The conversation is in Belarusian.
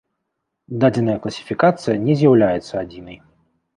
Дадзеная класіфікацыя не з'яўляецца адзінай.